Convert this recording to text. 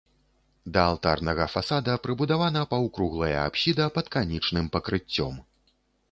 Да алтарнага фасада прыбудавана паўкруглая апсіда пад канічным пакрыццём.